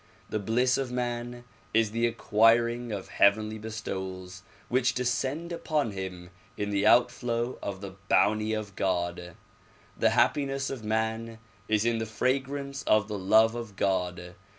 The bliss of man is the acquiring of heavenly bestowals which descend upon him in the outflow of the bounty of God. The happiness of man is in the fragrance of the love of God.